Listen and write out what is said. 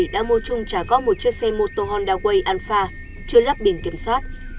đã mua chung trả góp một chiếc xe motor honda way alfa chưa lắp biển kiểm soát